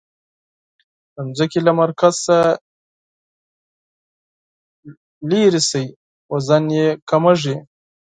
د ځمکې له مرکز څخه لیرې شئ وزن یي کمیږي.